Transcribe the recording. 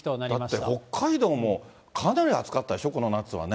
だって北海道もかなり暑かったでしょ、この夏はね。